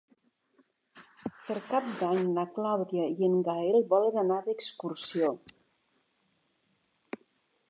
Per Cap d'Any na Clàudia i en Gaël volen anar d'excursió.